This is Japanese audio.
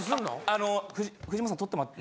あの藤本さん撮ってもらって。